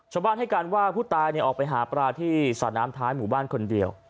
ชาวบ้านให้การว่าผู้ตายออกไปหาปลาที่สระน้ำท้ายหมู่บ้านคนเดียว